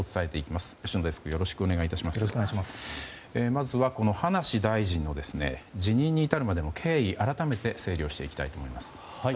まずは、この葉梨大臣の辞任に至るまでの経緯改めて整理をしていきたいと思います。